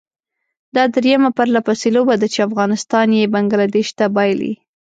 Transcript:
دا درېيمه پرلپسې لوبه ده چې افغانستان یې بنګله دېش ته بايلي.